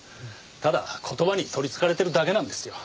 ただ言葉に取り憑かれてるだけなんですよ。